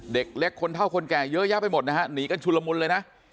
เด็กเล็กคนเท่าคนแก่เยอะแยะไปหมดนะฮะหนีกันชุลมุนเลยนะ